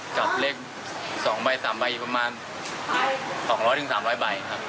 กับเล็ก๒๓ใบอยู่ประมาณ๒๐๐๓๐๐ใบ